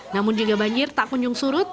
namun jika banjir tak kunjung surut